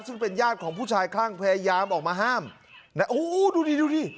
ซึ่งเป็นญาติของผู้ชายคลั่งพยายามออกมาห้ามนะโอ้โหดูดิดูดิ